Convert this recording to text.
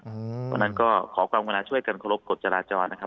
ตอนนั้นก็ขอความกำลังช่วยกันเคารพกฎจราจรนะครับ